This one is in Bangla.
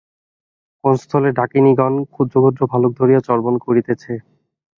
কোন স্থলে ডাকিনীগণ ক্ষুদ্র ক্ষুদ্র বালক ধরিয়া চর্বণ করিতেছে।